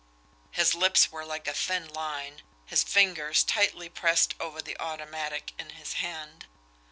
His lips were like a thin line, his fingers tightly pressed over the automatic in his hand.